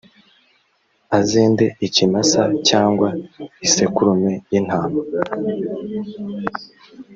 azende ikimasa cyangwa isekurume y intama